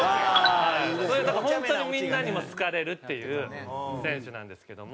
本当にみんなにも好かれるっていう選手なんですけども。